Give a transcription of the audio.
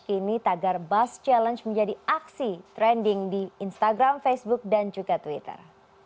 kini tagar bus challenge menjadi aksi trending di instagram facebook dan juga twitter